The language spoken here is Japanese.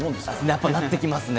やっぱりなってきますね。